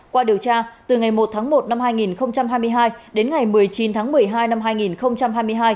qua điều tra từ ngày một tháng một năm hai nghìn hai mươi hai đến ngày một mươi chín tháng một mươi hai năm hai nghìn hai mươi hai